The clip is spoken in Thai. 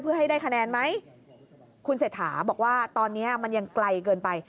เพื่อให้ได้คะแนนไหมคุณเศรษฐาบอกว่าตอนนี้มันยังไกลเกินไป